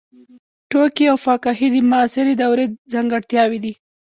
ټوکي او فکاهي د معاصرې دورې ځانګړتیاوې دي.